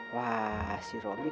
wah si romi